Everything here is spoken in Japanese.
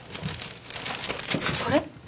これ？